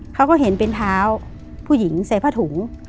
เขาก็เห็นเป็นเท้าผู้หญิงใส่ผ้าถุง